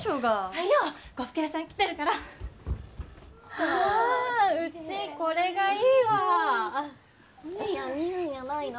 早う呉服屋さん来てるからはあうちこれがいいわお姉やん見るんやないの？